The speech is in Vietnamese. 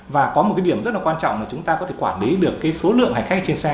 và có một cái điểm rất là quan trọng là chúng ta có thể quản lý được cái số lượng hành khách trên xe